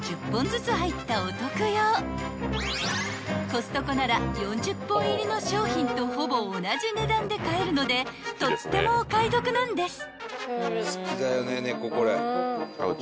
［コストコなら４０本入りの商品とほぼ同じ値段で買えるのでとってもお買い得なんです］